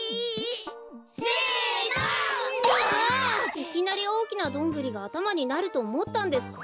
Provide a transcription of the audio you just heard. いきなりおおきなどんぐりがあたまになるとおもったんですか？